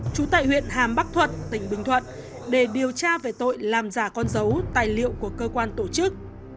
trú tại huyện hàm bắc thuận tỉnh bình thuận để điều tra về tội làm giả con dấu tài liệu của cơ quan tổ chức